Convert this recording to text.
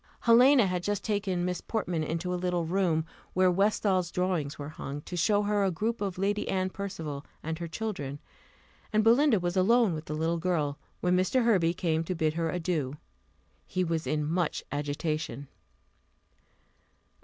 Helena had just taken Miss Portman into a little room, where Westall's drawings were hung, to show her a group of Lady Anne Percival and her children; and Belinda was alone with the little girl, when Mr. Hervey came to bid her adieu. He was in much agitation.